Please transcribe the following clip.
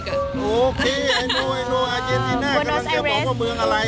ครับ